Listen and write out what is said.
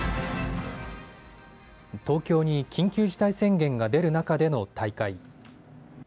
東京に緊急事態宣言が出る中での大会。